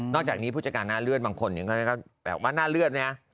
จากนี้ผู้จัดการหน้าเลือดบางคนก็แบบว่าหน้าเลือดเนี่ย